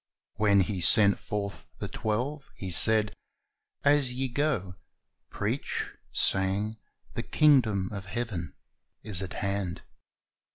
When He sent forth the twelve, He said, "As ye go, preach, saying, The kingdom of heaven is at hand.